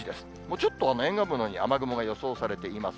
ちょっと沿岸部のほうに雨雲が予想されています。